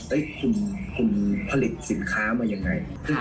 คุณผลิตสินค้ามายังไง